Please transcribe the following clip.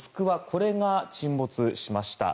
これが沈没しました。